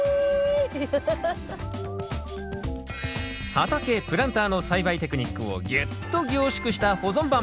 畑プランターの栽培テクニックをぎゅっと凝縮した保存版。